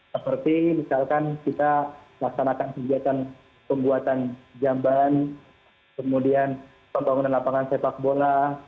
seperti misalkan kita laksanakan kegiatan pembuatan jamban kemudian pembangunan lapangan sepak bola